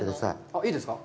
あっ、いいですか？